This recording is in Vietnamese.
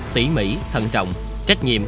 tỉ mỉ thận trọng trách nhiệm